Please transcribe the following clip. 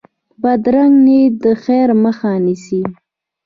بدرنګه نیت د خیر مخه نیسي